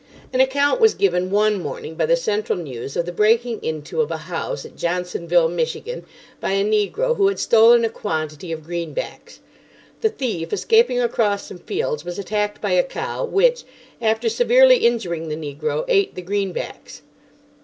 An account was given one morning by the Central news of the breaking into of a house at Johnsonville (Mich.) by a negro, who had stolen a quantity of greenbacks. The thief, escaping across some fields, was attacked by a cow, which, after severely injuring the negro, ate the greenbacks.